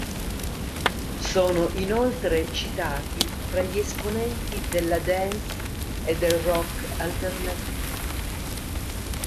Sono inoltre citati fra gli esponenti della dance e del rock alternativi.